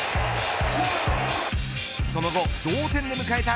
その後、同点で迎えた